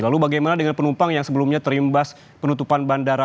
lalu bagaimana dengan penumpang yang sebelumnya terimbas penutupan bandara